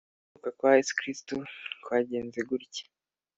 Kuvuka kwa Yesu Kristo kwagenze gutya.